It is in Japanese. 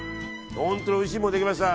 本当においしいものができました。